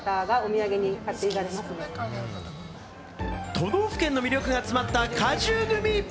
都道府県の魅力が詰まった果汁グミ。